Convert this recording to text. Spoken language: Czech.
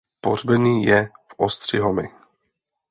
Pohřbený je v Ostřihomi.